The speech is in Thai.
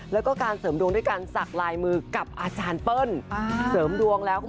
แล้วก็การเสริมดวงด้วยการสักลายมือกับอาจารย์เปิ้ล